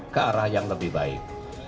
ke arah yang lebih baik